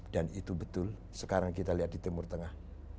itu betul sekarang kita lihat di timur tengah